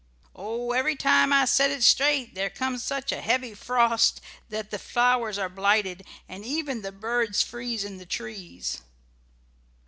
"Oh, every time I set it straight there comes such a heavy frost that the flowers are blighted, and even the birds freeze in the trees."